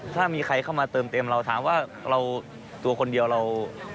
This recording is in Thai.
ถ้ามีใครเข้ามาเติมเต็มเราถามว่าเราตัวคนเดียวเรา